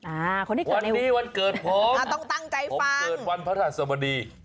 อ่าคนที่เกิดในวันพระรหัสสมดี